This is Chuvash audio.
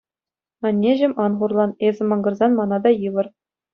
Аннеҫӗм, ан хурлан, эсӗ макӑрсан мана та йывӑр.